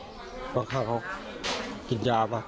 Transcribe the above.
ตอนนั้นเขาก็เลยรีบวิ่งออกมาดูตอนนั้นเขาก็เลยรีบวิ่งออกมาดู